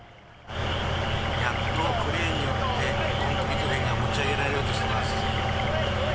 やっとクレーンによって、コンクリート片が持ち上げられようとしています。